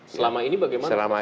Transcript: selama ini bagaimana prosesnya